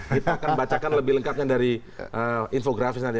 kita akan bacakan lebih lengkapnya dari infografis nanti